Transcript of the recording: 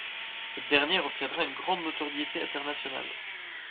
Cette dernière obtiendra une grande notoriété internationale.